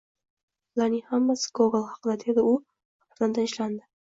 Bularning hammasi Gogol haqida! – dedi u va birdan tinchlandi.